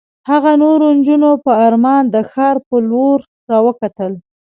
هغه نورو نجونو په ارمان د ښار په لور را وکتل.